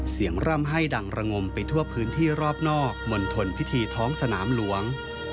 ร่ำให้ดังระงมไปทั่วพื้นที่รอบนอกมณฑลพิธีท้องสนามหลวง